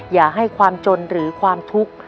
อย่าให้ความจนหรือความทุกข์